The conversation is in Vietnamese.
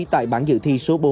tại bản dự thi số bốn